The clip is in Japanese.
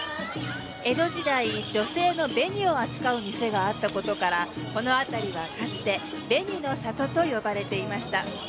江戸時代女性の紅を扱う店があった事からこの辺りはかつて「紅の里」と呼ばれていました。